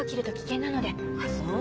あっそう。